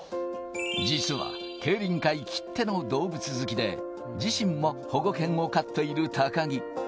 実は競輪界きっての動物好きで、自身も保護犬を飼っている高木。